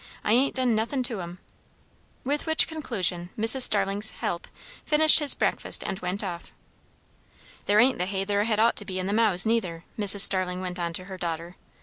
"I ain't done nothin' to 'em." With which conclusion Mrs. Starling's 'help' finished his breakfast and went off. "There ain't the hay there had ought to be in the mows, neither," Mrs. Starling went on to her daughter.